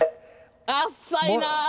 あっさいなぁ！